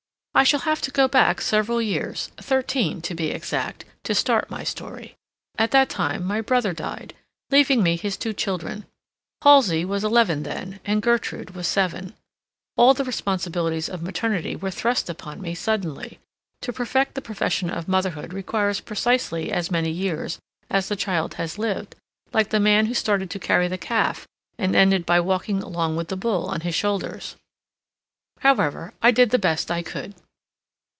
I shall have to go back several years—thirteen, to be exact—to start my story. At that time my brother died, leaving me his two children. Halsey was eleven then, and Gertrude was seven. All the responsibilities of maternity were thrust upon me suddenly; to perfect the profession of motherhood requires precisely as many years as the child has lived, like the man who started to carry the calf and ended by walking along with the bull on his shoulders. However, I did the best I could.